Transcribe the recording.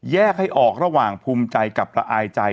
ให้ออกระหว่างภูมิใจกับละอายใจ